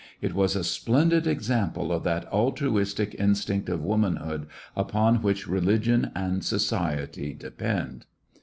It was a splendid example of that altruistic instinct of womanhood upon which religion and society depend.